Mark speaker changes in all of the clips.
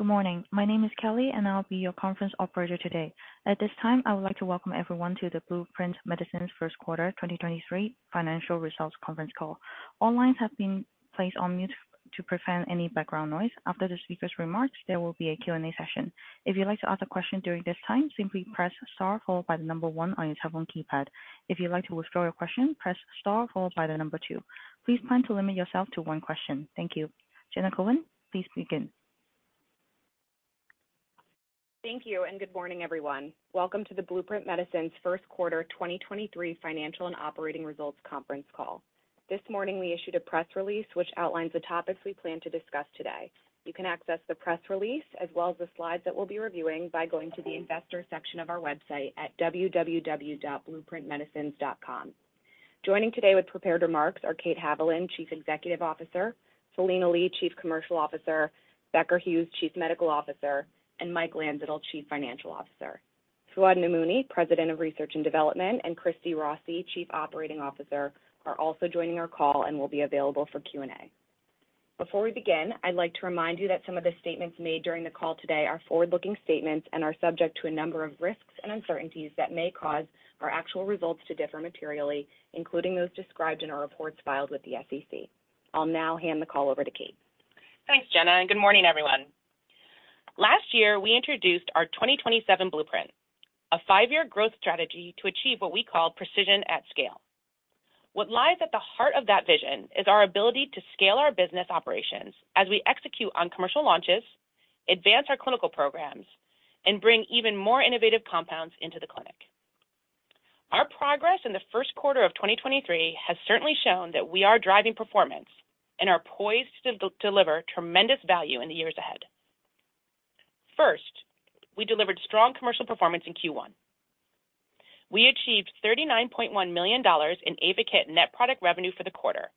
Speaker 1: Good morning. My name is Kelly. I'll be your conference operator today. At this time, I would like to welcome everyone to the Blueprint Medicines first quarter 2023 financial results conference call. All lines have been placed on mute to prevent any background noise. After the speakers' remarks, there will be a Q&A session. If you'd like to ask a question during this time, simply press star followed by 1 on your telephone keypad. If you'd like to withdraw your question, press star followed by 2. Please plan to limit yourself to one question. Thank you. Jenna Cohen, please begin.
Speaker 2: Thank you, and good morning, everyone. Welcome to the Blueprint Medicines first quarter 2023 financial and operating results conference call. This morning, we issued a press release which outlines the topics we plan to discuss today. You can access the press release as well as the slides that we'll be reviewing by going to the investor section of our website at www.BlueprintMedicines.com. Joining today with prepared remarks are Kate Haviland, Chief Executive Officer, Philina Lee, Chief Commercial Officer, Becker Hewes, Chief Medical Officer, and Mike Landsittel, Chief Financial Officer. Fouad Namouni, President of Research and Development, and Christina Rossi, Chief Operating Officer, are also joining our call and will be available for Q&A. Before we begin, I'd like to remind you that some of the statements made during the call today are forward-looking statements and are subject to a number of risks and uncertainties that may cause our actual results to differ materially, including those described in our reports filed with the SEC. I'll now hand the call over to Kate.
Speaker 3: Thanks, Jenna, good morning, everyone. Last year, we introduced our 2027 Blueprint, a five-year growth strategy to achieve what we call precision at scale. What lies at the heart of that vision is our ability to scale our business operations as we execute on commercial launches, advance our clinical programs, and bring even more innovative compounds into the clinic. Our progress in the first quarter of 2023 has certainly shown that we are driving performance and are poised to deliver tremendous value in the years ahead. First, we delivered strong commercial performance in Q1. We achieved $39.1 million in AYVAKIT net product revenue for the quarter,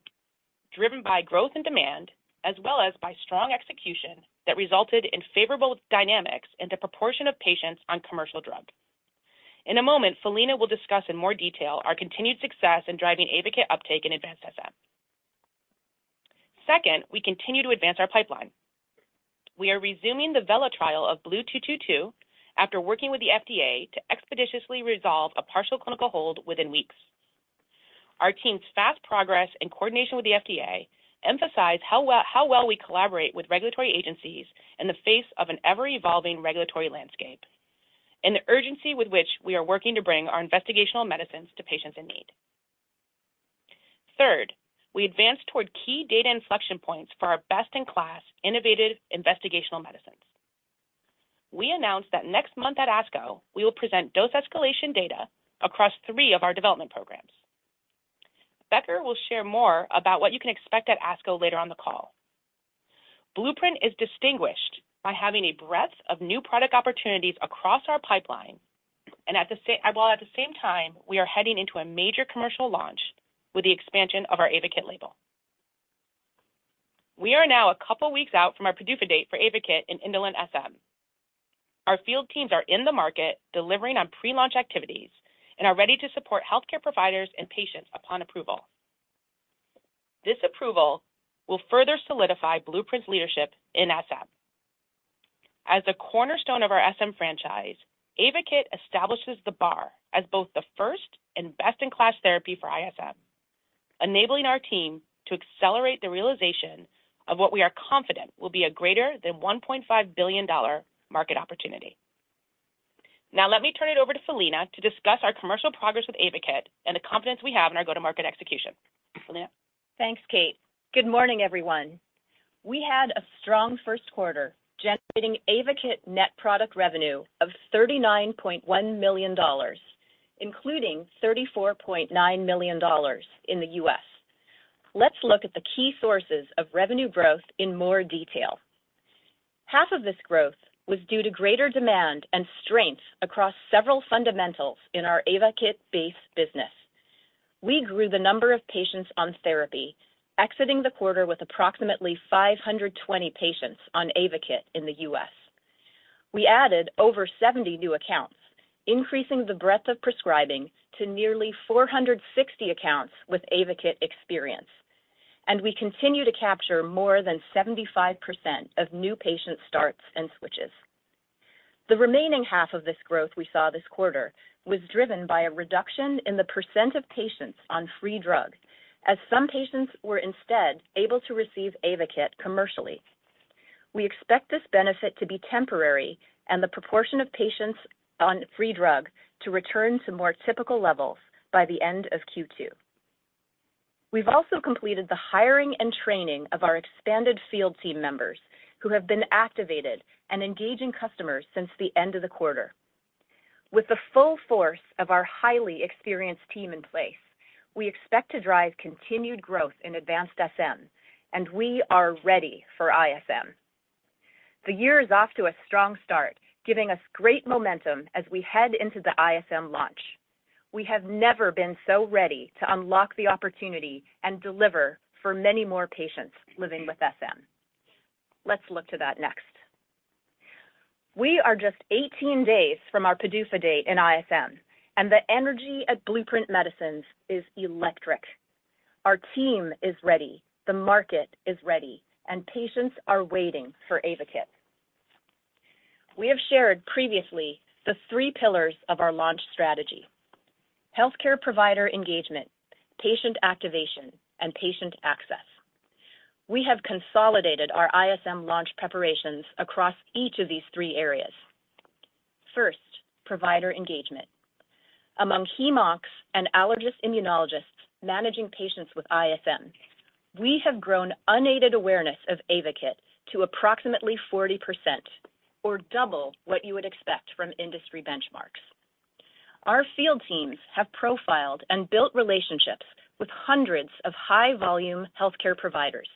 Speaker 3: driven by growth and demand, as well as by strong execution that resulted in favorable dynamics in the proportion of patients on commercial drug. In a moment, Philina will discuss in more detail our continued success in driving AYVAKIT uptake in advanced SM. We continue to advance our pipeline. We are resuming the VELA trial of BLU-222 after working with the FDA to expeditiously resolve a partial clinical hold within weeks. Our team's fast progress in coordination with the FDA emphasize how well we collaborate with regulatory agencies in the face of an ever-evolving regulatory landscape and the urgency with which we are working to bring our investigational medicines to patients in need. We advance toward key data inflection points for our best-in-class innovative investigational medicines. We announced that next month at ASCO, we will present dose escalation data across three of our development programs. Becker will share more about what you can expect at ASCO later on the call. Blueprint is distinguished by having a breadth of new product opportunities across our pipeline, while at the same time we are heading into a major commercial launch with the expansion of our AYVAKIT label. We are now a couple weeks out from our PDUFA date for AYVAKIT in indolent SM. Our field teams are in the market delivering on pre-launch activities and are ready to support healthcare providers and patients upon approval. This approval will further solidify Blueprint's leadership in SM. As the cornerstone of our SM franchise, AYVAKIT establishes the bar as both the first and best-in-class therapy for ISM, enabling our team to accelerate the realization of what we are confident will be a greater than $1.5 billion market opportunity. Let me turn it over to Philina to discuss our commercial progress with AYVAKIT and the confidence we have in our go-to-market execution. Philina?
Speaker 4: Thanks, Kate. Good morning, everyone. We had a strong first quarter, generating AYVAKIT net product revenue of $39.1 million, including $34.9 million in the U.S. Let's look at the key sources of revenue growth in more detail. Half of this growth was due to greater demand and strength across several fundamentals in our AYVAKIT base business. We grew the number of patients on therapy, exiting the quarter with approximately 520 patients on AYVAKIT in the U.S. We added over 70 new accounts, increasing the breadth of prescribing to nearly 460 accounts with AYVAKIT experience. We continue to capture more than 75% of new patient starts and switches. The remaining half of this growth we saw this quarter was driven by a reduction in the percentage of patients on free drug, as some patients were instead able to receive AYVAKIT commercially. We expect this benefit to be temporary and the proportion of patients on free drug to return to more typical levels by the end of Q2. We've also completed the hiring and training of our expanded field team members who have been activated and engaging customers since the end of the quarter. With the full force of our highly experienced team in place, we expect to drive continued growth in advanced SM, and we are ready for ISM. The year is off to a strong start, giving us great momentum as we head into the ISM launch. We have never been so ready to unlock the opportunity and deliver for many more patients living with SM. Let's look to that next. We are just 18 days from our PDUFA date in ISM. The energy at Blueprint Medicines is electric. Our team is ready, the market is ready, and patients are waiting for AYVAKIT. We have shared previously the three pillars of our launch strategy: healthcare provider engagement, patient activation, and patient access. We have consolidated our ISM launch preparations across each of these three areas. First, provider engagement. Among Hem/Oncs and allergist immunologists managing patients with ISM, we have grown unaided awareness of AYVAKIT to approximately 40% or double what you would expect from industry benchmarks. Our field teams have profiled and built relationships with hundreds of high volume healthcare providers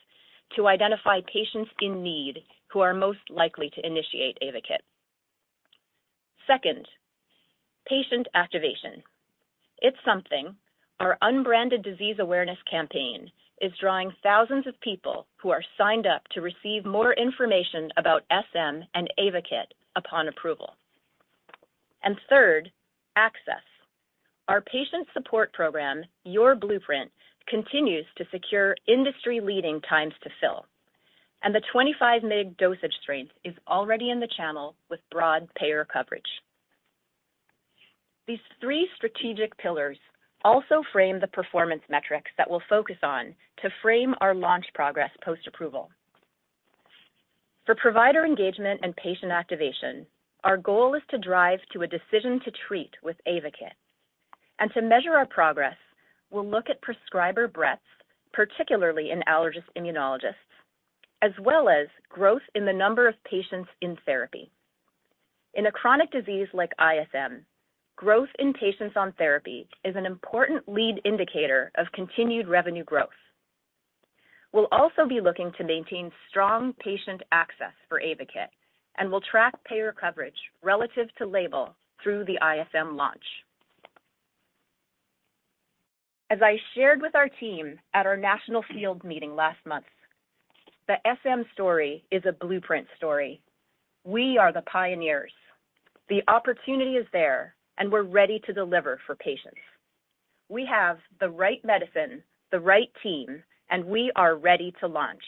Speaker 4: to identify patients in need who are most likely to initiate AYVAKIT. Second, patient activation. It's Something, our unbranded disease awareness campaign, is drawing thousands of people who are signed up to receive more information about SM and AYVAKIT upon approval. Third, access. Our patient support program, Your Blueprint, continues to secure industry-leading times to fill, and the 25 mg dosage strength is already in the channel with broad payer coverage. These three strategic pillars also frame the performance metrics that we'll focus on to frame our launch progress post-approval. For provider engagement and patient activation, our goal is to drive to a decision to treat with AYVAKIT. To measure our progress, we'll look at prescriber breadths, particularly in allergist immunologists, as well as growth in the number of patients in therapy. In a chronic disease like ISM, growth in patients on therapy is an important lead indicator of continued revenue growth. We'll also be looking to maintain strong patient access for AYVAKIT, and we'll track payer coverage relative to label through the ISM launch. As I shared with our team at our national field meeting last month, the SM story is a Blueprint story. We are the pioneers. The opportunity is there and we're ready to deliver for patients. We have the right medicine, the right team, and we are ready to launch.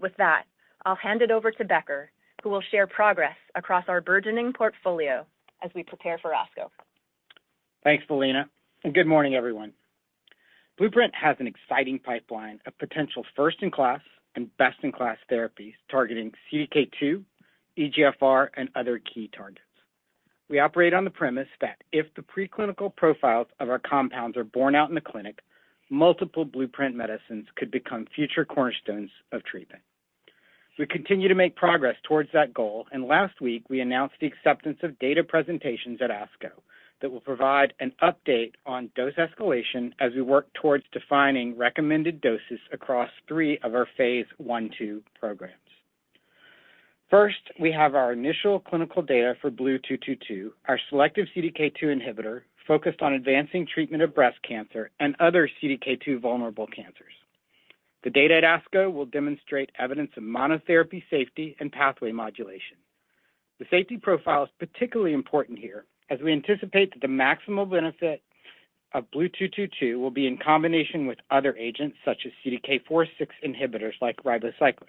Speaker 4: With that, I'll hand it over to Becker, who will share progress across our burgeoning portfolio as we prepare for ASCO.
Speaker 5: Thanks, Philina, good morning, everyone. Blueprint has an exciting pipeline of potential first-in-class and best-in-class therapies targeting CDK2, EGFR, and other key targets. We operate on the premise that if the preclinical profiles of our compounds are borne out in the clinic, multiple blueprint medicines could become future cornerstones of treatment. We continue to make progress towards that goal, last week we announced the acceptance of data presentations at ASCO that will provide an update on dose escalation as we work towards defining recommended doses across three of our phase 1/2 programs. First, we have our initial clinical data for BLU-222, our selective CDK2 inhibitor focused on advancing treatment of breast cancer and other CDK2 vulnerable cancers. The data at ASCO will demonstrate evidence of monotherapy safety and pathway modulation. The safety profile is particularly important here as we anticipate that the maximal benefit of BLU-222 will be in combination with other agents such as CDK4/6 inhibitors like ribociclib.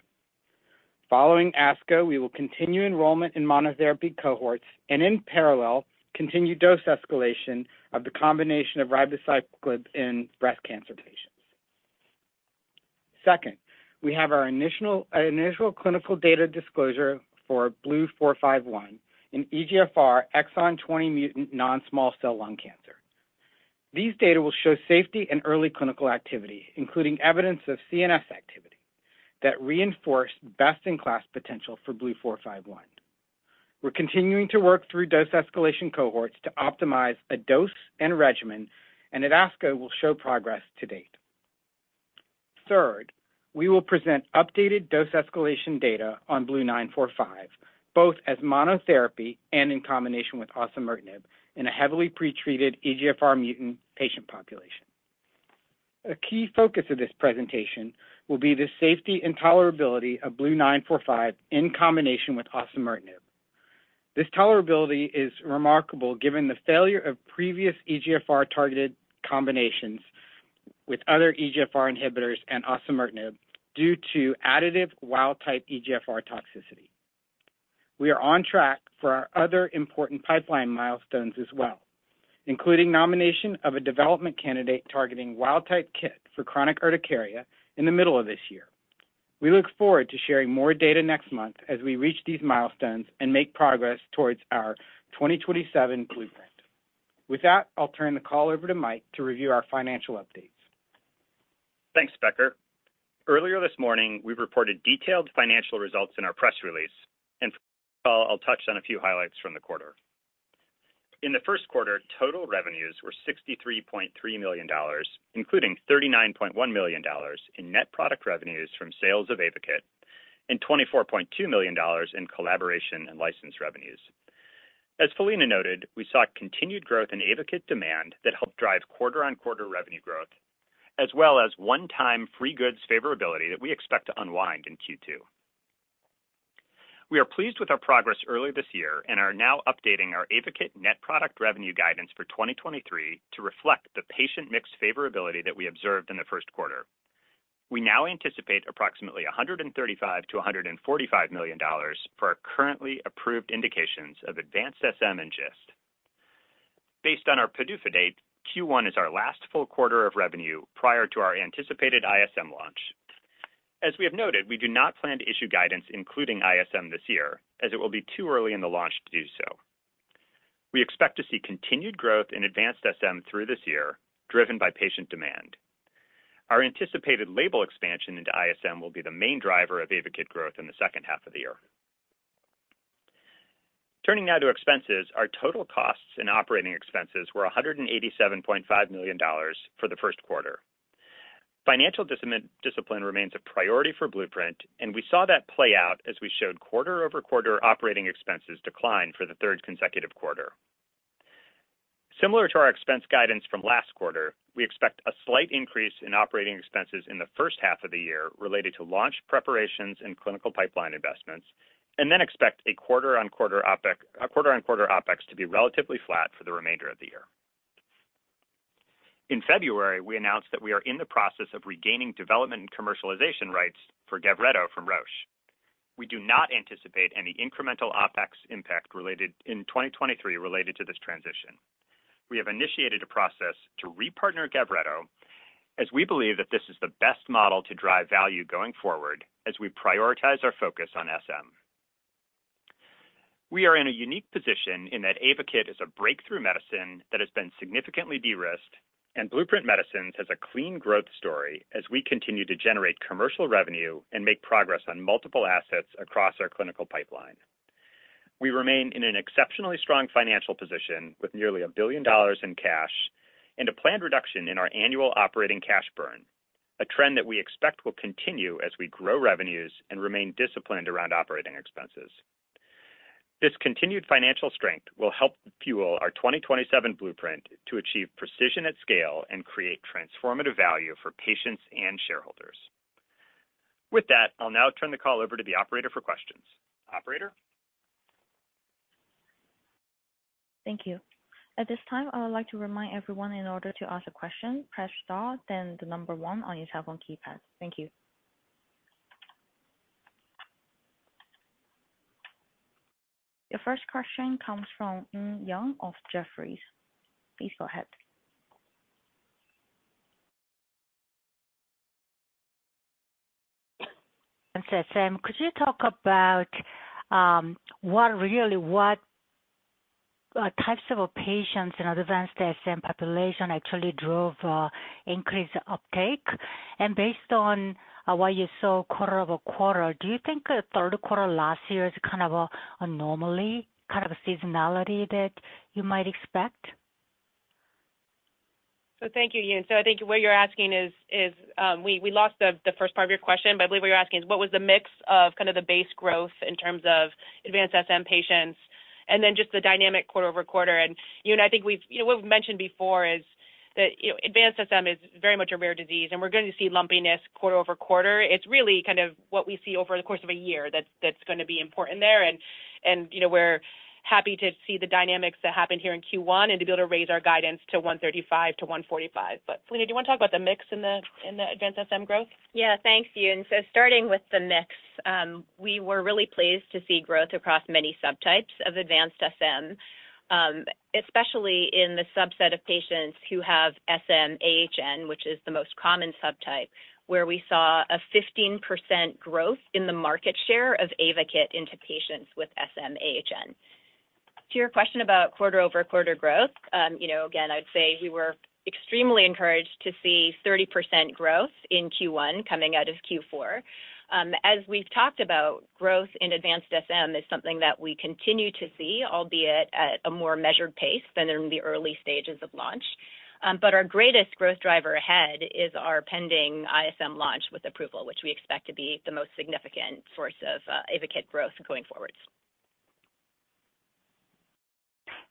Speaker 5: Following ASCO, we will continue enrollment in monotherapy cohorts and in parallel, continue dose escalation of the combination of ribociclib in breast cancer patients. Second, we have our initial clinical data disclosure for BLU-451 in EGFR exon 20 mutant non-small cell lung cancer. These data will show safety and early clinical activity, including evidence of CNS activity that reinforce best-in-class potential for BLU-451. We're continuing to work through dose escalation cohorts to optimize a dose and regimen, and at ASCO will show progress to date. Third, we will present updated dose escalation data on BLU-945, both as monotherapy and in combination with osimertinib in a heavily pretreated EGFR mutant patient population. A key focus of this presentation will be the safety and tolerability of BLU-945 in combination with osimertinib. This tolerability is remarkable given the failure of previous EGFR-targeted combinations with other EGFR inhibitors and osimertinib due to additive wild-type EGFR toxicity. We are on track for our other important pipeline milestones as well, including nomination of a development candidate targeting wild-type KIT for chronic urticaria in the middle of this year. We look forward to sharing more data next month as we reach these milestones and make progress towards our 2027 Blueprint. With that, I'll turn the call over to Mike to review our financial updates.
Speaker 6: Thanks, Becker. Earlier this morning, we reported detailed financial results in our press release, and I'll touch on a few highlights from the quarter. In the first quarter, total revenues were $63.3 million, including $39.1 million in net product revenues from sales of AYVAKIT, and $24.2 million in collaboration and license revenues. As Philina noted, we saw continued growth in AYVAKIT demand that helped drive quarter-on-quarter revenue growth, as well as one-time free goods favorability that we expect to unwind in Q2. We are pleased with our progress early this year and are now updating our AYVAKIT net product revenue guidance for 2023 to reflect the patient mix favorability that we observed in the first quarter. We now anticipate approximately $135 million-$145 million for our currently approved indications of advanced SM and GIST. Based on our PDUFA date, Q1 is our last full quarter of revenue prior to our anticipated ISM launch. As we have noted, we do not plan to issue guidance including ISM this year, as it will be too early in the launch to do so. We expect to see continued growth in advanced SM through this year, driven by patient demand. Our anticipated label expansion into ISM will be the main driver of AYVAKIT growth in the second half of the year. Turning now to expenses. Our total costs and operating expenses were $187.5 million for the first quarter. Financial discipline remains a priority for Blueprint, and we saw that play out as we showed quarter-over-quarter operating expenses decline for the third consecutive quarter. Similar to our expense guidance from last quarter, we expect a slight increase in operating expenses in the first half of the year related to launch preparations and clinical pipeline investments, expect a quarter-on-quarter OpEx to be relatively flat for the remainder of the year. In February, we announced that we are in the process of regaining development and commercialization rights for GAVRETO from Roche. We do not anticipate any incremental OPEX impact related in 2023 related to this transition. We have initiated a process to re-partner GAVRETO, as we believe that this is the best model to drive value going forward as we prioritize our focus on SM. We are in a unique position in that AYVAKIT is a breakthrough medicine that has been significantly de-risked, and Blueprint Medicines has a clean growth story as we continue to generate commercial revenue and make progress on multiple assets across our clinical pipeline. We remain in an exceptionally strong financial position, with nearly $1 billion in cash and a planned reduction in our annual operating cash burn, a trend that we expect will continue as we grow revenues and remain disciplined around operating expenses. This continued financial strength will help fuel our 2027 blueprint to achieve precision at scale and create transformative value for patients and shareholders. With that, I'll now turn the call over to the operator for questions. Operator?
Speaker 1: Thank you. At this time, I would like to remind everyone in order to ask a question, press star then the number one on your telephone keypad. Thank you. Your first question comes from Eun Yang of Jefferies. Please go ahead.
Speaker 7: Sam, could you talk about what really what types of patients in advanced SM population actually drove increased uptake? Based on what you saw quarter-over-quarter, do you think third quarter last year is kind of a normally kind of seasonality that you might expect?
Speaker 3: Thank you, Yoon. I think what you're asking is, we lost the first part of your question, but I believe what you're asking is what was the mix of kind of the base growth in terms of advanced SM patients and then just the dynamic quarter-over-quarter. Yoon, I think you know, what we've mentioned before is that, you know, advanced SM is very much a rare disease, and we're going to see lumpiness quarter-over-quarter. It's really kind of what we see over the course of a year that's gonna be important there. You know, we're happy to see the dynamics that happened here in Q1 and to be able to raise our guidance to $135 million-$145 million. Philina Lee, do you wanna talk about the mix in the, in the advanced SM growth?
Speaker 4: Yeah. Thanks, Michael Yee. Starting with the mix, we were really pleased to see growth across many subtypes of advanced SM, especially in the subset of patients who have SM-AHN, which is the most common subtype, where we saw a 15% growth in the market share of AYVAKIT into patients with SM-AHN. To your question about quarter-over-quarter growth, you know, again, I'd say we were extremely encouraged to see 30% growth in Q1 coming out of Q4. As we've talked about, growth in advanced SM is something that we continue to see, albeit at a more measured pace than in the early stages of launch. Our greatest growth driver ahead is our pending ISM launch with approval, which we expect to be the most significant source of AYVAKIT growth going forward.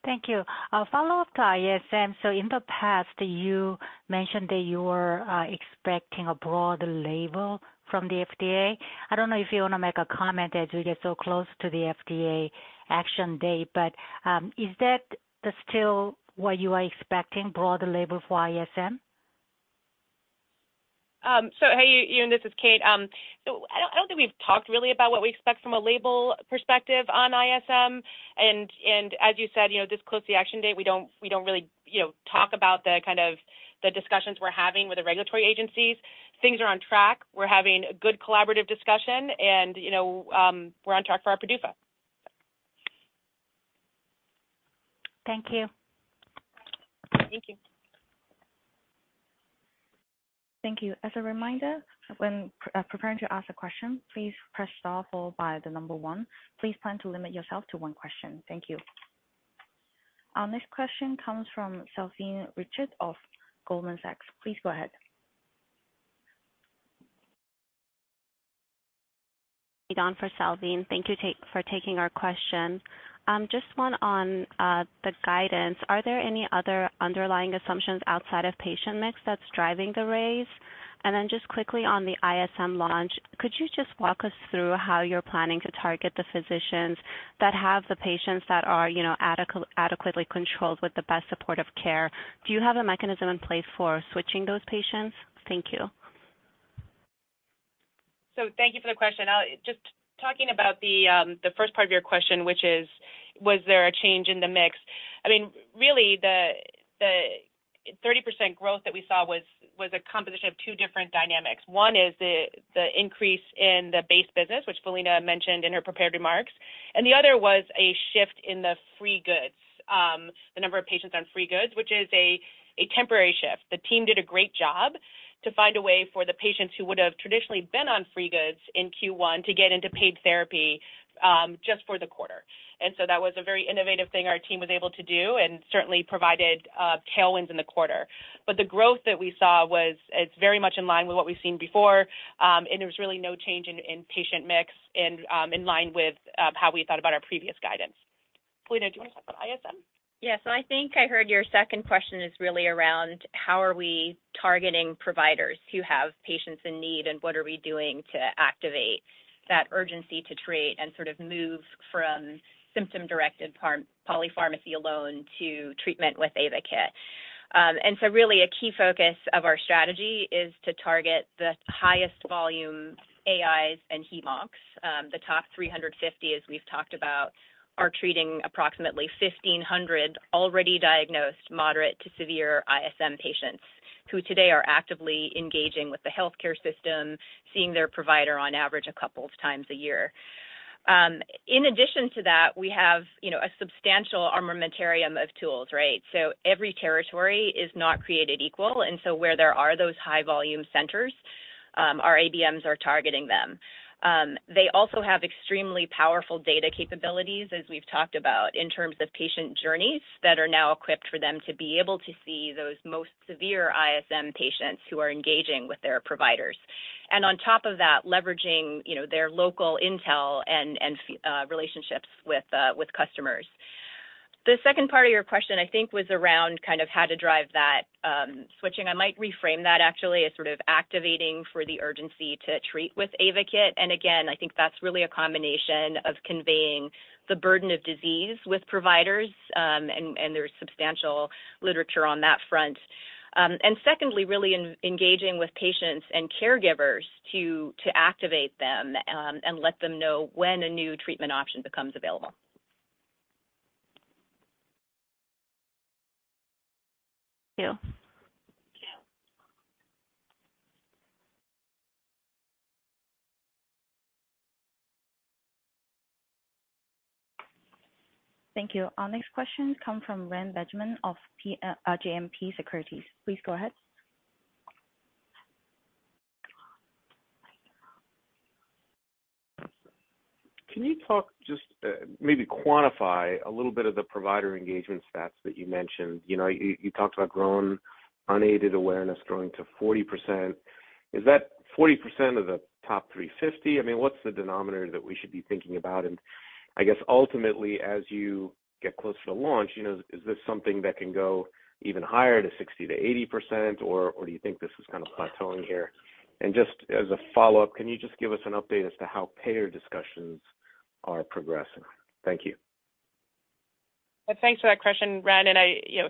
Speaker 7: Thank you. Follow-up to ISM. In the past, you mentioned that you were expecting a broad label from the FDA. I don't know if you wanna make a comment as we get so close to the FDA action date, is that still what you are expecting, broader label for ISM?
Speaker 3: Hey, Michael Yee, this is Kate Haviland. I don't think we've talked really about what we expect from a label perspective on ISM. As you said, you know, this close to the action date, we don't really, you know, talk about the kind of the discussions we're having with the regulatory agencies. Things are on track. We're having a good collaborative discussion and, you know, we're on track for our PDUFA.
Speaker 7: Thank you.
Speaker 3: Thank you.
Speaker 1: Thank you. As a reminder, when preparing to ask a question, please press star followed by 1. Please plan to limit yourself to one question. Thank you. Our next question comes from Salveen Richter of Goldman Sachs. Please go ahead.
Speaker 8: Don for Salveen. Thank you for taking our question. Just one on the guidance. Are there any other underlying assumptions outside of patient mix that's driving the raise? Then just quickly on the ISM launch, could you just walk us through how you're planning to target the physicians that have the patients that are, you know, adequately controlled with the best supportive care? Do you have a mechanism in place for switching those patients? Thank you.
Speaker 3: Thank you for the question. Just talking about the first part of your question, which is, was there a change in the mix? I mean, really the 30% growth that we saw was a composition of two different dynamics. One is the increase in the base business, which Philina mentioned in her prepared remarks, and the other was a shift in the free goods, the number of patients on free goods, which is a temporary shift. The team did a great job to find a way for the patients who would have traditionally been on free goods in Q1 to get into paid therapy just for the quarter. That was a very innovative thing our team was able to do and certainly provided tailwinds in the quarter. The growth that we saw was, it's very much in line with what we've seen before, and there was really no change in patient mix and, in line with, how we thought about our previous guidance. Philina, do you wanna talk about ISM?
Speaker 4: I think I heard your second question is really around how are we targeting providers who have patients in need, and what are we doing to activate that urgency to treat and sort of move from symptom-directed polypharmacy alone to treatment with AYVAKIT? Really a key focus of our strategy is to target the highest volume AIs and Hem/Oncs. The top 350, as we've talked about, are treating approximately 1,500 already diagnosed moderate to severe ISM patients who today are actively engaging with the healthcare system, seeing their provider on average a couple of times a year. In addition to that, we have, you know, a substantial armamentarium of tools, right? Every territory is not created equal, and where there are those high volume centers, our ABMs are targeting them. They also have extremely powerful data capabilities, as we've talked about, in terms of patient journeys that are now equipped for them to be able to see those most severe ISM patients who are engaging with their providers. On top of that, leveraging, you know, their local intel and relationships with customers. The second part of your question, I think, was around kind of how to drive that switching. I might reframe that actually as sort of activating for the urgency to treat with AYVAKIT. Again, I think that's really a combination of conveying the burden of disease with providers, and there's substantial literature on that front. Secondly, really engaging with patients and caregivers to activate them, and let them know when a new treatment option becomes available.
Speaker 8: Thank you.
Speaker 3: Yeah.
Speaker 1: Thank you. Our next question come from Reni Benjamin of JMP Securities. Please go ahead.
Speaker 9: Can you talk just maybe quantify a little bit of the provider engagement stats that you mentioned? You know, you talked about growing unaided awareness growing to 40%. Is that 40% of the top 350? I mean, what's the denominator that we should be thinking about? I guess ultimately, as you get closer to launch, you know, is this something that can go even higher to 60%-80%, or do you think this is kind of plateauing here? Just as a follow-up, can you just give us an update as to how payer discussions are progressing? Thank you.
Speaker 3: Thanks for that question, Rand. I, you know,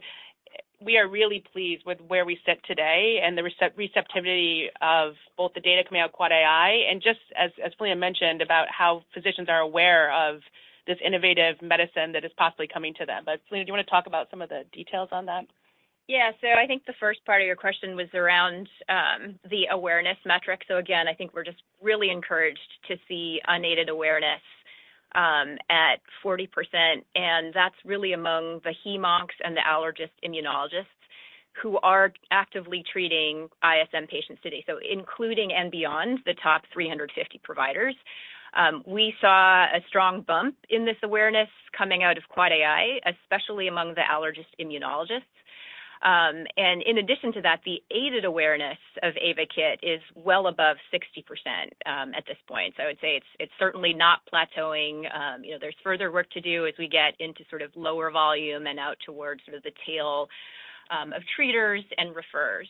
Speaker 3: we are really pleased with where we sit today and the receptivity of both the data coming out of Quad AI and just as Philina mentioned, about how physicians are aware of this innovative medicine that is possibly coming to them. Philina, do you wanna talk about some of the details on that?
Speaker 4: I think the first part of your question was around the awareness metric. Again, I think we're just really encouraged to see unaided awareness at 40%. That's really among the Hem/Oncs and the allergist immunologists who are actively treating ISM patients today. Including and beyond the top 350 providers. We saw a strong bump in this awareness coming out of Quad AI, especially among the allergist immunologists. In addition to that, the aided awareness of AYVAKIT is well above 60% at this point. I would say it's certainly not plateauing. You know, there's further work to do as we get into sort of lower volume and out towards sort of the tail of treaters and referrers.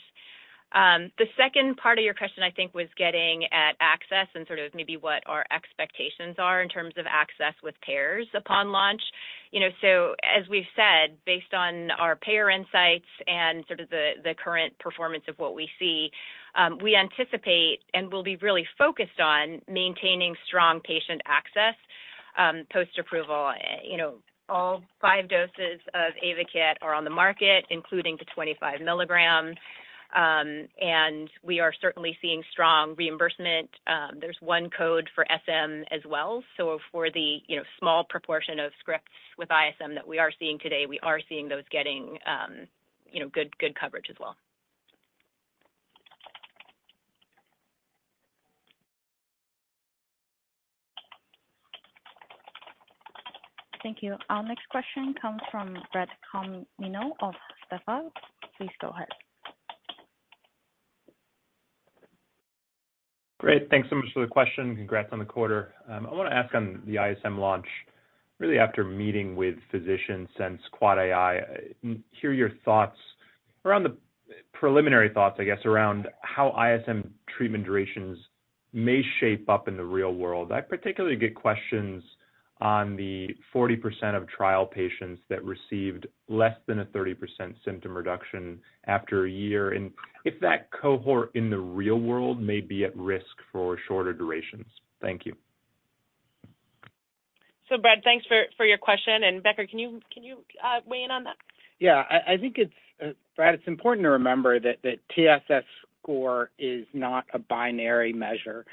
Speaker 4: The second part of your question, I think, was getting at access and sort of maybe what our expectations are in terms of access with payers upon launch. You know, as we've said, based on our payer insights and sort of the current performance of what we see, we anticipate and we'll be really focused on maintaining strong patient access, post-approval. You know, all 5 doses of AYVAKIT are on the market, including the 25 milligrams. We are certainly seeing strong reimbursement. There's 1 code for SM as well. For the, you know, small proportion of scripts with ISM that we are seeing today, we are seeing those getting, you know, good coverage as well.
Speaker 1: Thank you. Our next question comes from Brad Canino of Stifel. Please go ahead.
Speaker 10: Great. Thanks so much for the question. Congrats on the quarter. I want to ask on the ISM launch, really after meeting with physicians since Quad AI, hear your thoughts around preliminary thoughts, I guess, around how ISM treatment durations may shape up in the real world. I particularly get questions on the 40% of trial patients that received less than a 30% symptom reduction after a year, and if that cohort in the real world may be at risk for shorter durations. Thank you.
Speaker 3: Brad, thanks for your question. Becker, can you weigh in on that?
Speaker 5: I think it's Brad, it's important to remember that that TSS score is not a binary measure.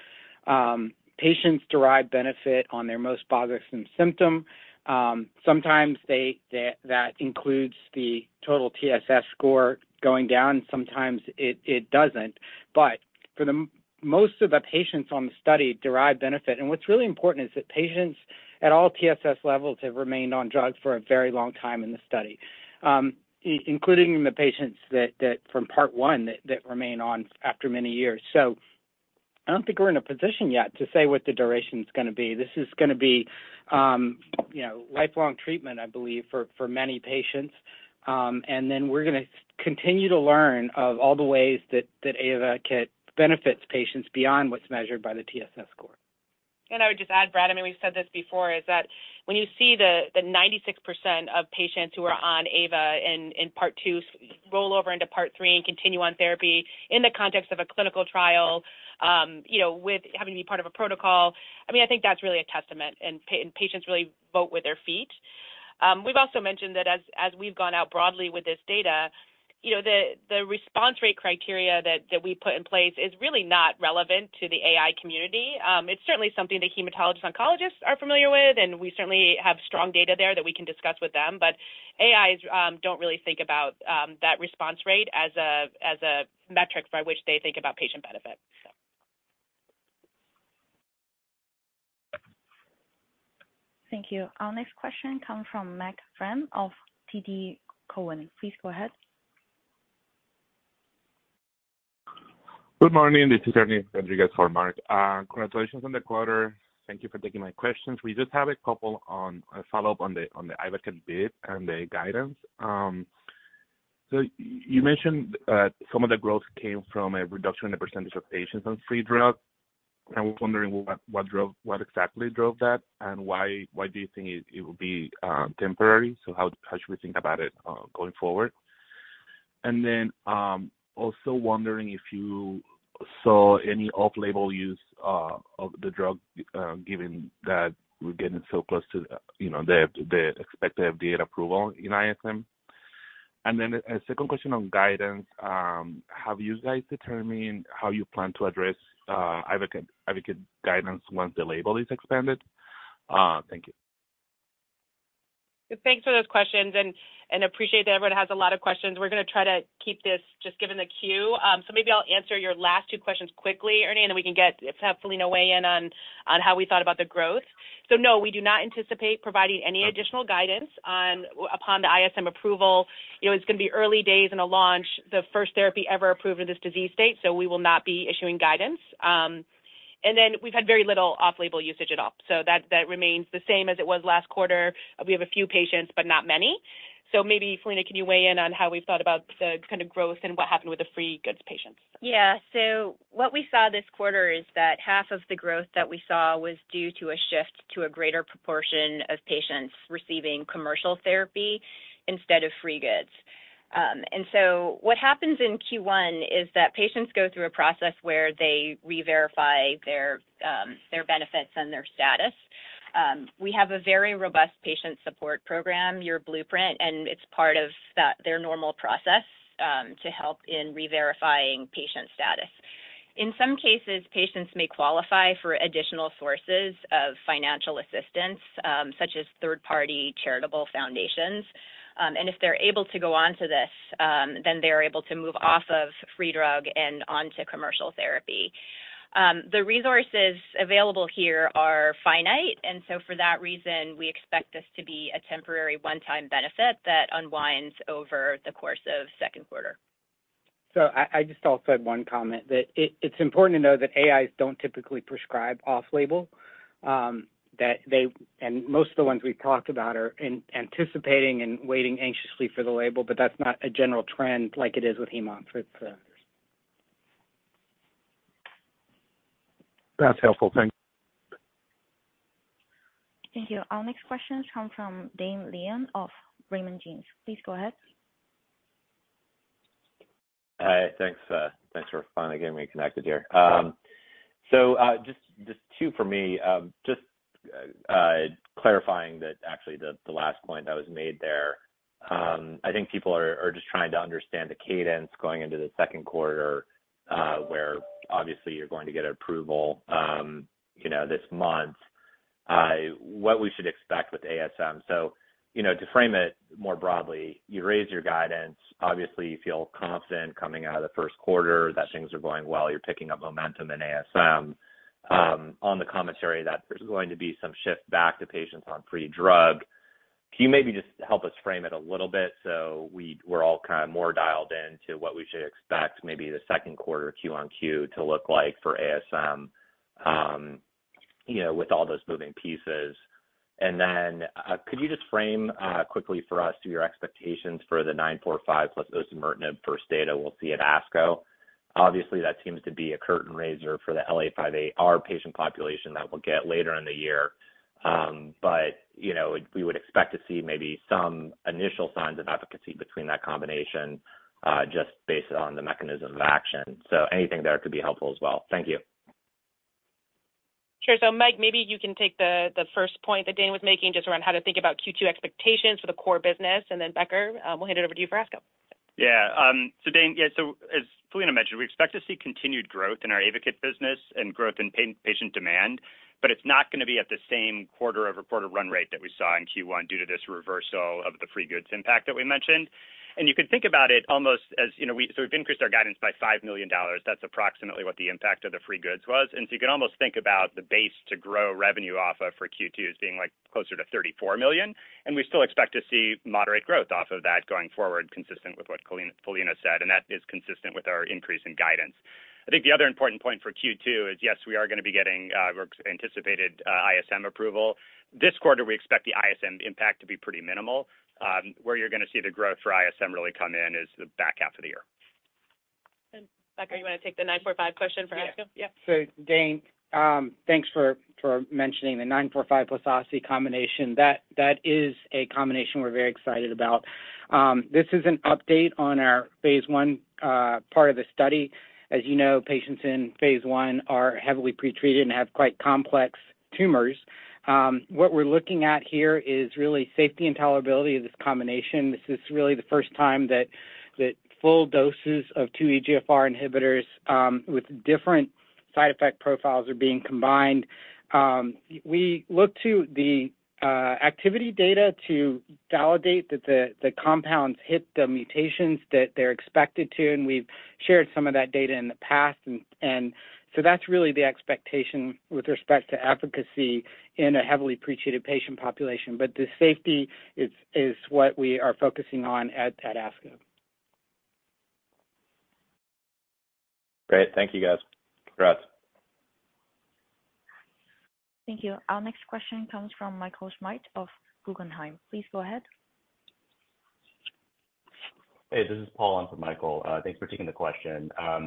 Speaker 5: Patients derive benefit on their most bothersome symptom. Sometimes that includes the total TSS score going down, sometimes it doesn't. For the most of the patients on the study derive benefit. What's really important is that patients at all TSS levels have remained on drugs for a very long time in the study, including the patients that from part 1 that remain on after many years. I don't think we're in a position yet to say what the duration is gonna be. This is gonna be, you know, lifelong treatment, I believe for many patients. We're gonna continue to learn of all the ways that AYVAKIT benefits patients beyond what's measured by the TSS score.
Speaker 3: I would just add, Brad, I mean, we've said this before, is that when you see the 96% of patients who are on Ava in Part 2 roll over into Part 3 and continue on therapy in the context of a clinical trial, you know, with having to be part of a protocol, I mean, I think that's really a testament and patients really vote with their feet. We've also mentioned that as we've gone out broadly with this data, you know, the response rate criteria that we put in place is really not relevant to the AI community. It's certainly something the hematologist oncologists are familiar with, we certainly have strong data there that we can discuss with them. AIs don't really think about that response rate as a, as a metric by which they think about patient benefit.
Speaker 1: Thank you. Our next question comes from Marc Frahm of TD Cowen. Please go ahead.
Speaker 11: Good morning. This is Ernie Rodriguez for Marc. Congratulations on the quarter. Thank you for taking my questions. We just have a couple on a follow-up on the AYVAKIT bid and the guidance. You mentioned some of the growth came from a reduction in the percentage of patients on free drug. I was wondering what exactly drove that and why do you think it would be temporary? How should we think about it going forward? Also wondering if you saw any off-label use of the drug given that we're getting so close to, you know, the expected FDA approval in ISM. A second question on guidance. Have you guys determined how you plan to address AYVAKIT guidance once the label is expanded? Thank you.
Speaker 3: Thanks for those questions and appreciate that everyone has a lot of questions. We're gonna try to keep this just given the queue. Maybe I'll answer your last two questions quickly, Ernie, and then we can get to have Philina weigh in on how we thought about the growth. No, we do not anticipate providing any additional guidance on upon the ISM approval. You know, it's gonna be early days in a launch, the first therapy ever approved in this disease state, so we will not be issuing guidance. We've had very little off-label usage at all. That remains the same as it was last quarter. We have a few patients, but not many. Maybe, Philina, can you weigh in on how we've thought about the kind of growth and what happened with the free goods patients?
Speaker 4: Yeah. What we saw this quarter is that half of the growth that we saw was due to a shift to a greater proportion of patients receiving commercial therapy instead of free goods. What happens in Q1 is that patients go through a process where they re-verify their benefits and their status. We have a very robust patient support program, Your Blueprint, and it's part of their normal process, to help in re-verifying patient status. In some cases, patients may qualify for additional sources of financial assistance, such as third-party charitable foundations. If they're able to go on to this, then they're able to move off of free drug and onto commercial therapy. The resources available here are finite, and so for that reason, we expect this to be a temporary one-time benefit that unwinds over the course of second quarter.
Speaker 5: I just also had one comment that it's important to know that AIs don't typically prescribe off-label. That they and most of the ones we've talked about are anticipating and waiting anxiously for the label, but that's not a general trend like it is with hemophils.
Speaker 11: That's helpful. Thank you.
Speaker 1: Thank you. Our next question comes from Dane Leone of Raymond James. Please go ahead.
Speaker 12: Hi. Thanks, thanks for finally getting me connected here. Just two for me. Just clarifying that actually the last point that was made there. I think people are just trying to understand the cadence going into the second quarter, where obviously you're going to get approval, you know, this month. What we should expect with ASM. You know, to frame it more broadly, you raised your guidance. Obviously, you feel confident coming out of the first quarter that things are going well. You're picking up momentum in ASM, on the commentary that there's going to be some shift back to patients on free drug. Can you maybe just help us frame it a little bit so we're all kind of more dialed in to what we should expect maybe the second quarter Q-on-Q to look like for ASM, you know, with all those moving pieces? Then could you just frame quickly for us your expectations for the nine four five plus osimertinib first data we'll see at ASCO? Obviously, that seems to be a curtain raiser for the L858R patient population that we'll get later in the year. You know, we would expect to see maybe some initial signs of efficacy between that combination just based on the mechanism of action. Anything there could be helpful as well. Thank you.
Speaker 3: Sure. Mike, maybe you can take the first point that Dane was making just around how to think about Q2 expectations for the core business. Becker, we'll hand it over to you for ASCO.
Speaker 5: Dane, as Philina Lee mentioned, we expect to see continued growth in our AYVAKIT business and growth in patient demand, it's not going to be at the same quarter-over-quarter run rate that we saw in Q1 due to this reversal of the free goods impact that we mentioned. You can think about it almost as, you know, we've increased our guidance by $5 million. That's approximately what the impact of the free goods was. You can almost think about the base to grow revenue off of for Q2 as being, like, closer to $34 million. We still expect to see moderate growth off of that going forward, consistent with what Philina Lee said, that is consistent with our increase in guidance. I think the other important point for Q2 is, yes, we are gonna be getting anticipated ISM approval. This quarter, we expect the ISM impact to be pretty minimal. Where you're gonna see the growth for ISM really come in is the back half of the year.
Speaker 3: Becker, you wanna take the 945 question for ASCO?
Speaker 5: Yeah.
Speaker 3: Yeah.
Speaker 5: Dane, thanks for mentioning the 945 plus OSI combination. That is a combination we're very excited about. This is an update on our phase 1 part of the study. As you know, patients in phase 1 are heavily pretreated and have quite complex tumors. What we're looking at here is really safety and tolerability of this combination. This is really the first time that full doses of 2 EGFR inhibitors with different side effect profiles are being combined. We look to the activity data to validate that the compounds hit the mutations that they're expected to, and we've shared some of that data in the past. That's really the expectation with respect to efficacy in a heavily pretreated patient population. But the safety is what we are focusing on at ASCO.
Speaker 12: Great. Thank you, guys. Congrats.
Speaker 1: Thank you. Our next question comes from Michael Schmidt of Guggenheim. Please go ahead.
Speaker 13: Hey, this is Paul on for Michael. Thanks for taking the question. I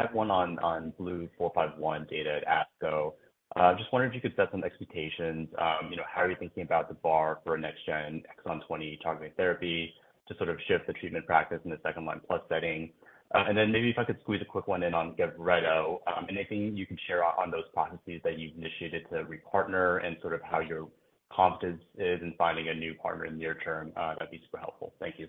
Speaker 13: have one on BLU-451 data at ASCO. Just wondering if you could set some expectations. You know, how are you thinking about the bar for a next gen exon 20 targeting therapy to sort of shift the treatment practice in the second-line plus setting? Maybe if I could squeeze a quick one in on GAVRETO. Anything you can share on those processes that you've initiated to repartner and sort of how your confidence is in finding a new partner in the near term, that'd be super helpful. Thank you.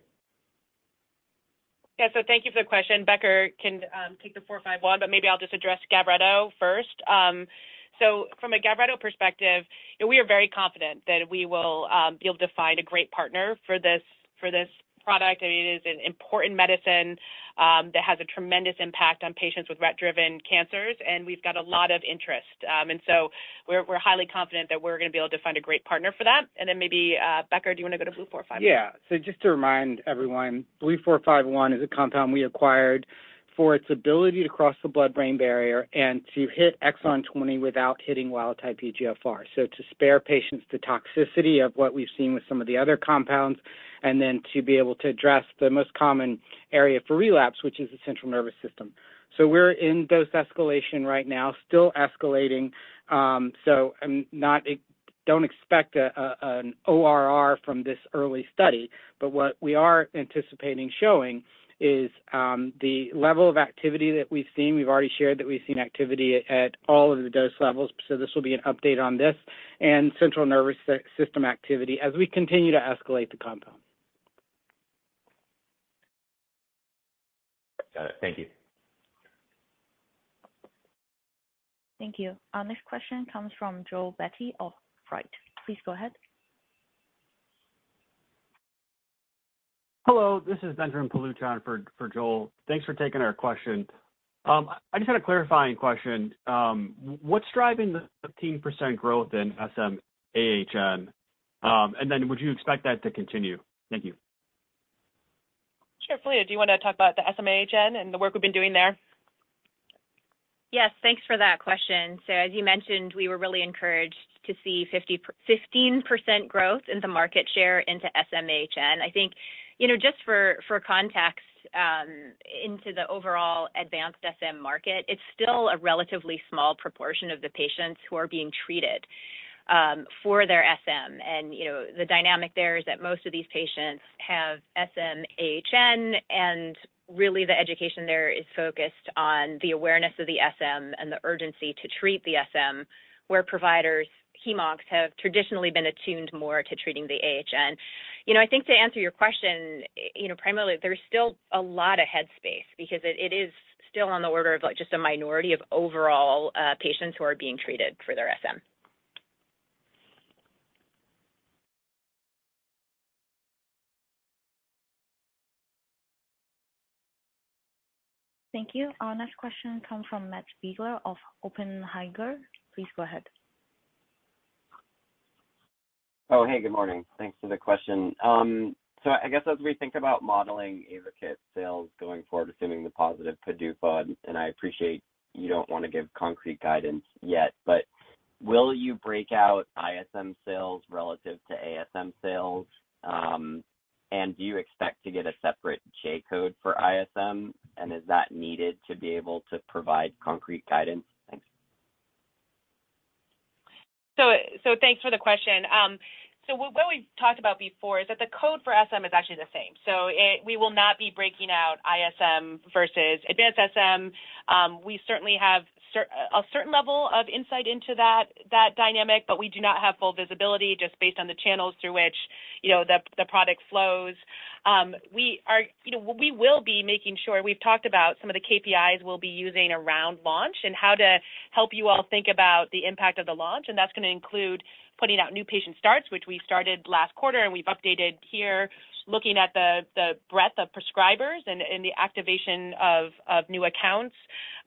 Speaker 3: Yeah. Thank you for the question. Becker can take the 451, but maybe I'll just address GAVRETO first. From a GAVRETO perspective, we are very confident that we will be able to find a great partner for this, for this product. I mean, it is an important medicine that has a tremendous impact on patients with RET-driven cancers, and we've got a lot of interest. We're highly confident that we're gonna be able to find a great partner for that. Maybe, Becker, do you wanna go to BLU-451?
Speaker 5: Just to remind everyone, BLU-451 is a compound we acquired for its ability to cross the blood-brain barrier and to hit exon 20 without hitting wild-type EGFR. To spare patients the toxicity of what we've seen with some of the other compounds, and then to be able to address the most common area for relapse, which is the central nervous system. We're in dose escalation right now, still escalating, so I don't expect a, an ORR from this early study. What we are anticipating showing is the level of activity that we've seen. We've already shared that we've seen activity at all of the dose levels, so this will be an update on this and central nervous system activity as we continue to escalate the compound.
Speaker 13: Got it. Thank you.
Speaker 1: Thank you. Our next question comes from Joel Beatty of Baird. Please go ahead.
Speaker 14: Hello, this is Ben Playford for Joel. Thanks for taking our question. I just had a clarifying question. What's driving the 15% growth in SM-AHN? Would you expect that to continue? Thank you.
Speaker 3: Sure. Philina Lee, do you wanna talk about the SM-AHN and the work we've been doing there?
Speaker 4: Yes. Thanks for that question. As you mentioned, we were really encouraged to see 15% growth in the market share into SM-AHN. I think, you know, just for context, into the overall advanced SM market, it's still a relatively small proportion of the patients who are being treated for their SM. You know, the dynamic there is that most of these patients have SM-AHN, and really the education there is focused on the awareness of the SM and the urgency to treat the SM, where providers, Hem/Oncs, have traditionally been attuned more to treating the AHN. You know, I think to answer your question, you know, primarily there's still a lot of head space because it is still on the order of, like, just a minority of overall patients who are being treated for their SM.
Speaker 1: Thank you. Our next question comes from Matt Biegler of Oppenheimer. Please go ahead.
Speaker 15: Hey, good morning. Thanks for the question. I guess as we think about modeling AYVAKIT sales going forward, assuming the positive PDUFA, I appreciate you don't want to give concrete guidance yet, but will you break out ISM sales relative to ASM sales? Do you expect to get a separate J-code for ISM? Is that needed to be able to provide concrete guidance? Thanks.
Speaker 3: Thanks for the question. We've talked about before is that the code for SM is actually the same. We will not be breaking out ISM versus advanced SM. We certainly have a certain level of insight into that dynamic, but we do not have full visibility just based on the channels through which, you know, the product flows. We are, you know, we will be making sure. We've talked about some of the KPIs we'll be using around launch and how to help you all think about the impact of the launch. That's gonna include putting out new patient starts, which we started last quarter, and we've updated here looking at the breadth of prescribers and the activation of new accounts.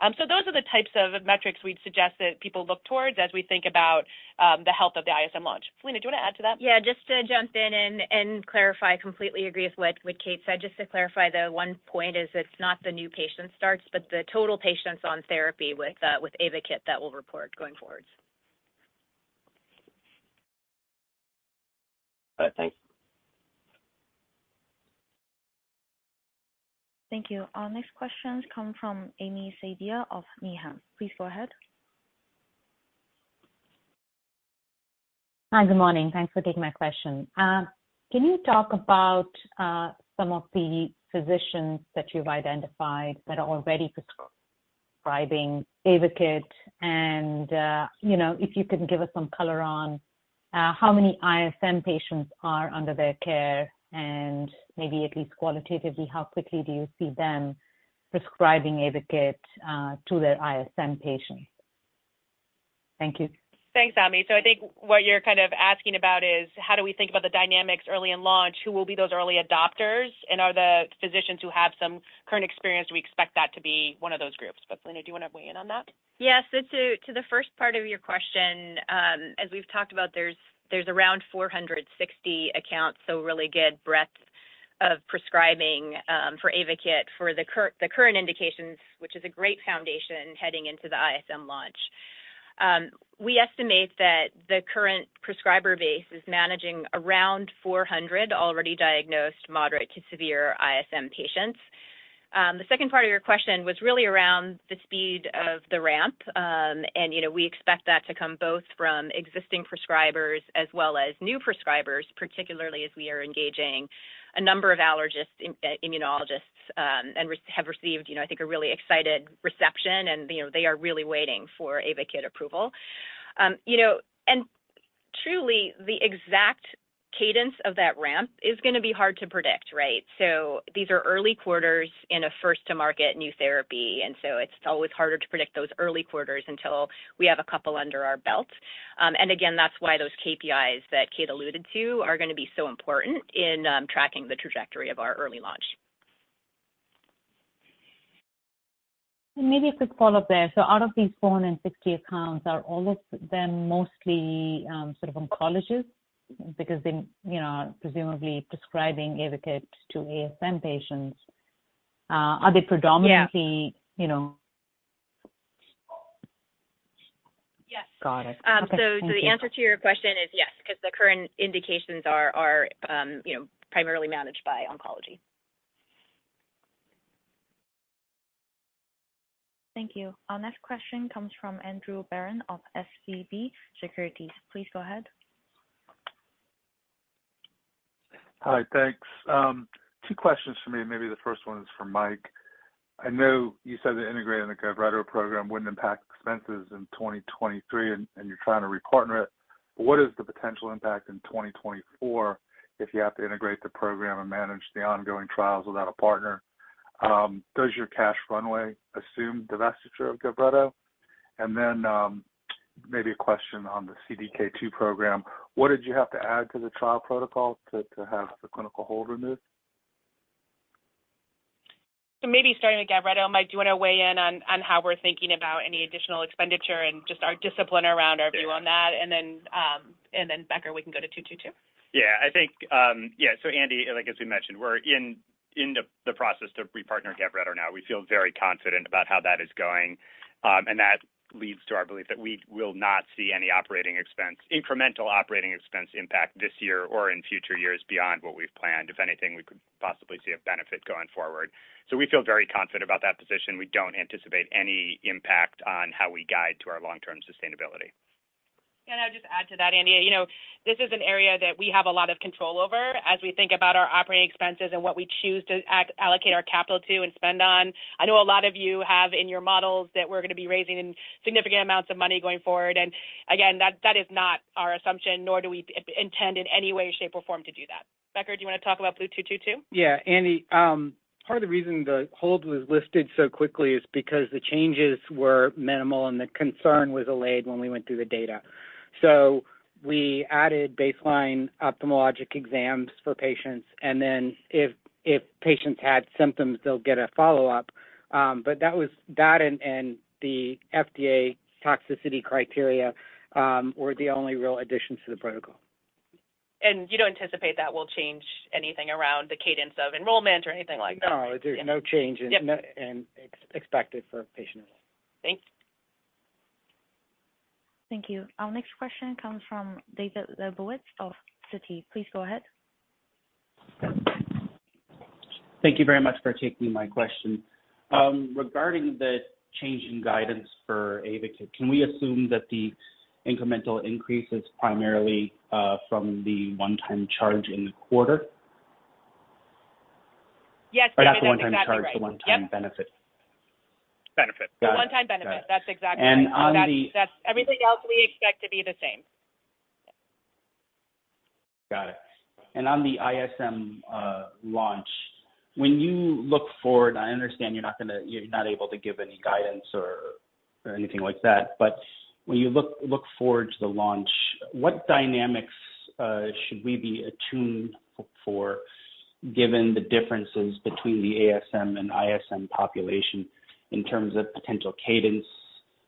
Speaker 3: Those are the types of metrics we'd suggest that people look towards as we think about, the health of the ISM launch. Philina, do you want to add to that?
Speaker 4: Yeah, just to jump in and clarify. Completely agree with what Kate said. Just to clarify, the one point is it's not the new patient starts, but the total patients on therapy with AYVAKIT that we'll report going forward.
Speaker 16: All right. Thanks.
Speaker 1: Thank you. Our next question comes from Ami Fadia of Needham. Please go ahead.
Speaker 17: Hi. Good morning. Thanks for taking my question. Can you talk about some of the physicians that you've identified that are already prescribing AYVAKIT? You know, if you can give us some color on how many ISM patients are under their care, and maybe at least qualitatively, how quickly do you see them prescribing AYVAKIT to their ISM patients? Thank you.
Speaker 3: Thanks, Ami. I think what you're kind of asking about is how do we think about the dynamics early in launch? Who will be those early adopters? Are the physicians who have some current experience, do we expect that to be one of those groups? Philina, do you wanna weigh in on that?
Speaker 4: To, to the first part of your question, as we've talked about, there's around 460 accounts, so really good breadth of prescribing for AYVAKIT for the current indications, which is a great foundation heading into the ISM launch. We estimate that the current prescriber base is managing around 400 already diagnosed moderate to severe ISM patients. The second part of your question was really around the speed of the ramp. And, you know, we expect that to come both from existing prescribers as well as new prescribers, particularly as we are engaging a number of allergists, immunologists, and have received, you know, I think a really excited reception and, you know, they are really waiting for AYVAKIT approval. You know, truly, the exact cadence of that ramp is gonna be hard to predict, right? These are early quarters in a first to market new therapy, and so it's always harder to predict those early quarters until we have a couple under our belt. And again, that's why those KPIs that Kate alluded to are gonna be so important in tracking the trajectory of our early launch.
Speaker 17: Maybe a quick follow-up there. Out of these 460 accounts, are all of them mostly, sort of oncologists? They, you know, are presumably prescribing AYVAKIT to ASM patients. Are they predominantly?
Speaker 3: Yeah.
Speaker 17: You know.
Speaker 4: Yes.
Speaker 17: Got it. Okay. Thank you.
Speaker 4: The answer to your question is yes, 'cause the current indications are, you know, primarily managed by oncology.
Speaker 1: Thank you. Our next question comes from Andrew Berens of SVB Securities. Please go ahead.
Speaker 16: Hi. Thanks. 2 questions for me. Maybe the first one is for Mike. I know you said the integrating the GAVRETO program wouldn't impact expenses in 2023 and you're trying to repartner it. What is the potential impact in 2024 if you have to integrate the program and manage the ongoing trials without a partner? Does your cash runway assume divestiture of GAVRETO? Then, maybe a question on the CDK2 program. What did you have to add to the trial protocol to have the clinical hold removed?
Speaker 3: Maybe starting with Gavreto, Mike, do you wanna weigh in on how we're thinking about any additional expenditure and just our discipline around our view on that? Becker, we can go to 222.
Speaker 6: Yeah, I think. Andy, like as we mentioned, we're in the process to repartner GAVRETO now. We feel very confident about how that is going. That leads to our belief that we will not see any incremental operating expense impact this year or in future years beyond what we've planned. If anything, we could possibly see a benefit going forward. We feel very confident about that position. We don't anticipate any impact on how we guide to our long-term sustainability.
Speaker 3: I'll just add to that, Andy. You know, this is an area that we have a lot of control over as we think about our operating expenses and what we choose to allocate our capital to and spend on. I know a lot of you have in your models that we're going to be raising significant amounts of money going forward. Again, that is not our assumption, nor do we intend in any way, shape, or form to do that. Becker, do you want to talk about BLU-222?
Speaker 5: Yeah. Andy, part of the reason the hold was lifted so quickly is because the changes were minimal, and the concern was allayed when we went through the data. We added baseline ophthalmologic exams for patients, and then if patients had symptoms, they'll get a follow-up. That was, that and the FDA toxicity criteria, were the only real additions to the protocol.
Speaker 3: You don't anticipate that will change anything around the cadence of enrollment or anything like that?
Speaker 5: No, there's no change.
Speaker 3: Yep.
Speaker 5: Expected for patient enrollment.
Speaker 3: Thanks.
Speaker 1: Thank you. Our next question comes from David Lebowitz of Citi. Please go ahead.
Speaker 18: Thank you very much for taking my question. Regarding the change in guidance for AYVAKIT, can we assume that the incremental increase is primarily from the one-time charge in the quarter?
Speaker 3: Yes, David, that's exactly right.
Speaker 18: Is the one-time charge the one-time benefit?
Speaker 3: Benefit.
Speaker 18: Got it.
Speaker 3: The one-time benefit. That's exactly right.
Speaker 18: And on the-
Speaker 3: That's everything else we expect to be the same.
Speaker 18: Got it. On the ISM launch, when you look forward, I understand you're not gonna, you're not able to give any guidance or anything like that, but when you look forward to the launch, what dynamics should we be attuned for given the differences between the ASM and ISM population in terms of potential cadence,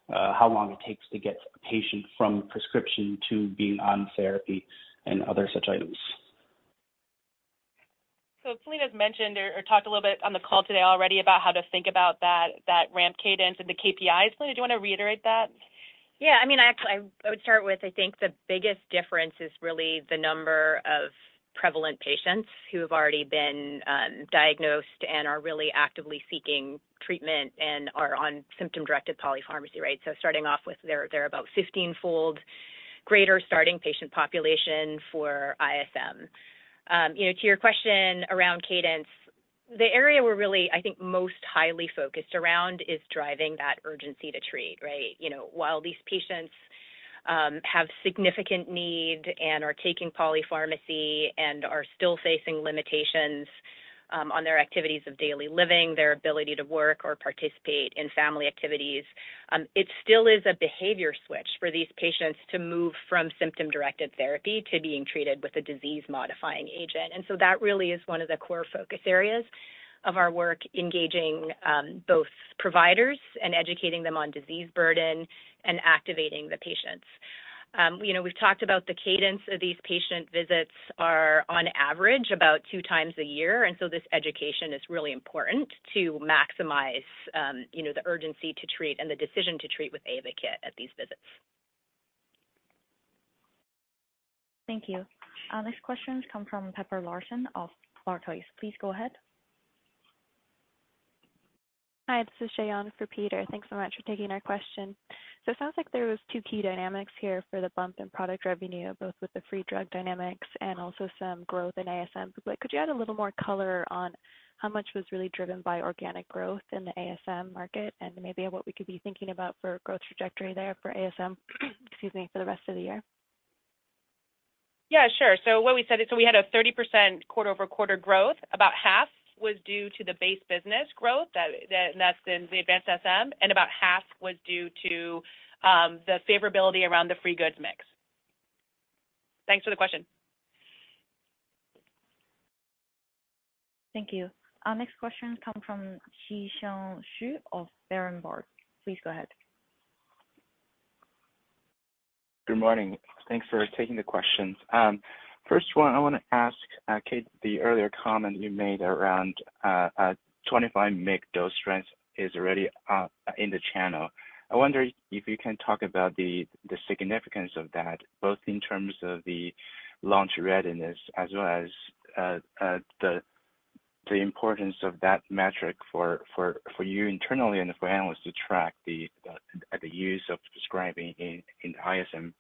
Speaker 18: how long it takes to get a patient from prescription to being on therapy and other such items?
Speaker 3: Philina's mentioned or talked a little bit on the call today already about how to think about that ramp cadence and the KPIs. Philina, do you wanna reiterate that?
Speaker 4: Yeah, I mean, I actually, I would start with, I think the biggest difference is really the number of prevalent patients who have already been diagnosed and are really actively seeking treatment and are on symptom-directed polypharmacy rate. Starting off with they're about 15-fold greater starting patient population for ISM. You know, to your question around cadence, the area we're really, I think, most highly focused around is driving that urgency to treat, right? You know, while these patients have significant need and are taking polypharmacy and are still facing limitations on their activities of daily living, their ability to work or participate in family activities, it still is a behavior switch for these patients to move from symptom-directed therapy to being treated with a disease-modifying agent. That really is one of the core focus areas of our work, engaging, both providers and educating them on disease burden and activating the patients. You know, we've talked about the cadence of these patient visits are on average about 2 times a year, and so this education is really important to maximize, you know, the urgency to treat and the decision to treat with AYVAKIT at these visits.
Speaker 1: Thank you. Our next question comes from Peter Lawson of Barclays. Please go ahead.
Speaker 19: Hi, this is Shayon for Peter. Thanks so much for taking our question. It sounds like there was two key dynamics here for the bump in product revenue, both with the free drug dynamics and also some growth in ASM. Could you add a little more color on how much was really driven by organic growth in the ASM market and maybe what we could be thinking about for growth trajectory there for ASM, excuse me, for the rest of the year?
Speaker 3: What we said is, we had a 30% quarter-over-quarter growth. About half was due to the base business growth that's in the advanced SM, and about half was due to the favorability around the free goods mix. Thanks for the question.
Speaker 1: Thank you. Our next question comes from Zhiqiang Shu from Berenberg. Please go ahead.
Speaker 20: Good morning. Thanks for taking the questions. First one I wanna ask, Kate, the earlier comment you made around a 25 mg dose strength is already in the channel. I wonder if you can talk about the significance of that, both in terms of the launch readiness as well as the importance of that metric for you internally and for analysts to track the use of prescribing in ISM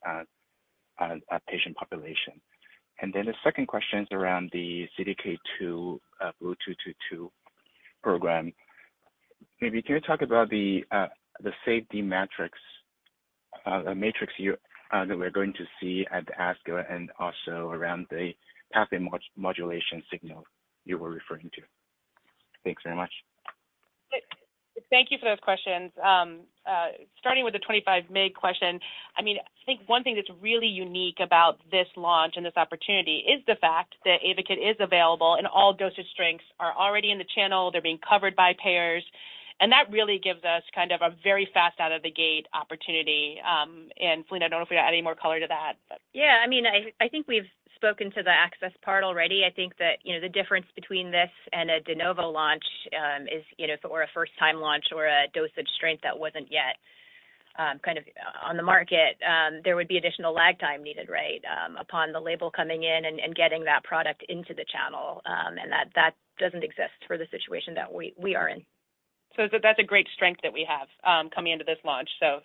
Speaker 20: patient population. The second question is around the CDK2, BLU-222 program. Maybe can you talk about the safety metrics matrix you that we're going to see at the ASCO and also around the pathway modulation signal you were referring to? Thanks very much.
Speaker 3: Thank you for those questions. Starting with the 25mg question, I mean, I think one thing that's really unique about this launch and this opportunity is the fact that AYVAKIT is available and all dosage strengths are already in the channel. They're being covered by payers, and that really gives us kind of a very fast out of the gate opportunity. Philina, I don't know if you want to add any more color to that, but.
Speaker 4: Yeah, I mean, I think we've spoken to the access part already. I think that, you know, the difference between this and a de novo launch, is, you know, or a first-time launch or a dosage strength that wasn't yet kind of on the market, there would be additional lag time needed, right? Upon the label coming in and getting that product into the channel. That doesn't exist for the situation that we are in.
Speaker 3: That's a great strength that we have, coming into this launch, so.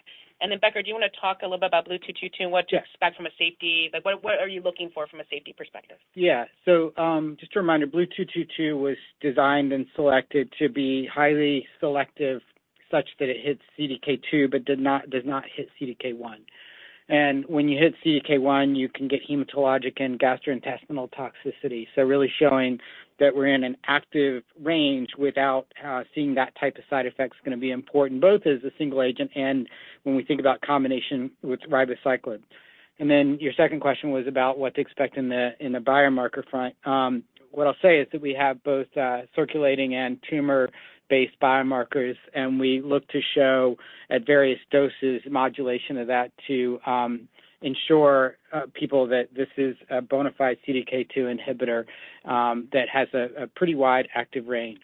Speaker 3: Becker, do you wanna talk a little bit about BLU-222 and what to expect from a safety? Like what are you looking for from a safety perspective?
Speaker 5: Just a reminder, BLU-222 was designed and selected to be highly selective such that it hits CDK2 but does not hit CDK1. When you hit CDK1, you can get hematologic and gastrointestinal toxicity. Really showing that we're in an active range without seeing that type of side effect is gonna be important, both as a single agent and when we think about combination with ribociclib. Your second question was about what to expect in the biomarker front. What I'll say is that we have both circulating and tumor-based biomarkers, and we look to show at various doses modulation of that to ensure people that this is a bona fide CDK2 inhibitor, that has a pretty wide active range.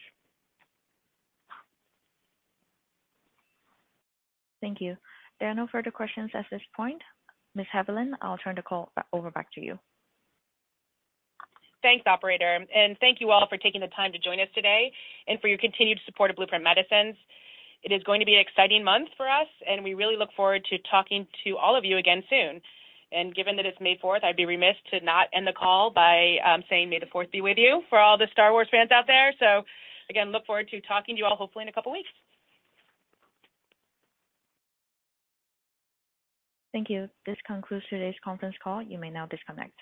Speaker 1: Thank you. There are no further questions at this point. Ms. Haviland, I'll turn the call back to you.
Speaker 3: Thanks, operator. Thank you all for taking the time to join us today and for your continued support of Blueprint Medicines. It is going to be an exciting month for us, and we really look forward to talking to all of you again soon. Given that it's May fourth, I'd be remiss to not end the call by saying, may the fourth be with you for all the Star Wars fans out there. Again, look forward to talking to you all hopefully in a couple weeks.
Speaker 1: Thank you. This concludes today's conference call. You may now disconnect.